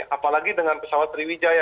apalagi dengan pesawat dari wijaya